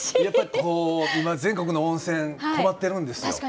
やっぱり今全国の温泉困ってるんですよ。